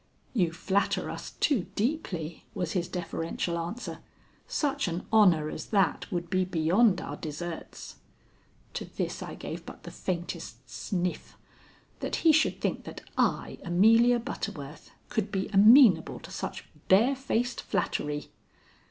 "You flatter us too deeply," was his deferential answer. "Such an honor as that would be beyond our deserts." To this I gave but the faintest sniff. That he should think that I, Amelia Butterworth, could be amenable to such barefaced flattery!